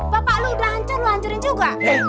bapak lo udah hancur lo hancurin juga